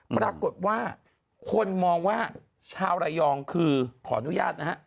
ปรากฏว่าคนมองว่าชาวระยองคือขออนุญาตนะฮะ